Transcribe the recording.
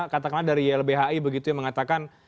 katakanlah dari ylbhi begitu yang mengatakan